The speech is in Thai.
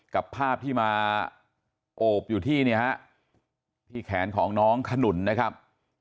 กับภาพที่มาโอบอยู่ที่แขนของน้องขนุนนะครับ